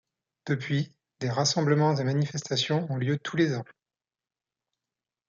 Depuis, des rassemblements et manifestations ont lieu tous les ans.